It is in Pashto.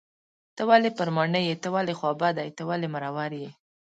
ته ولې پر ماڼي یې .ته ولې خوابدی یې .ته ولې مرور یې